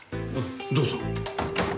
どうぞ。